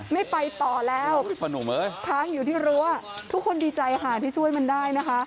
ไม่ไปต่อแล้วค้างอยู่ที่รั้วทุกคนดีใจค่ะที่ช่วยมันได้นะคะ